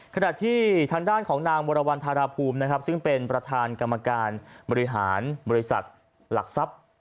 ขณะที่ทางด้านของนางวรวรรณธาราภูมินะครับซึ่งเป็นประธานกรรมการบริหารบริษัทหลักทรัพย์